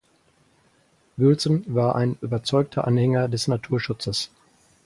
Wilson war ein überzeugter Anhänger des Naturschutzes.